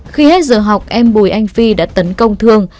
khi hết giờ học em bùi anh phi đã tấn công thương